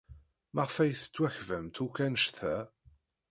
Maɣef ay tettwakbamt akk anect-a?